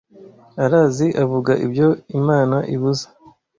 arazi avuga ibyo imana ibuza